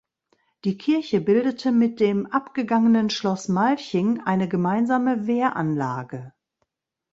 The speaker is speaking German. Die Kirche bildete mit dem abgegangenen Schloss Malching eine gemeinsame Wehranlage.